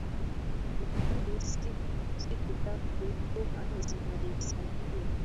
lakini siku tatu kura zinahesabiwa